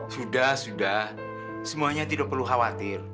sudah sudah semuanya tidak perlu khawatir